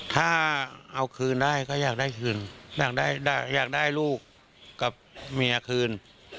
ถ้าเอาคืนได้ก็อยากได้คืนอยากได้ลูกกับเมียคืน